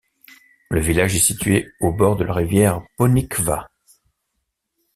Le village est situé au bord de la rivière Ponikva.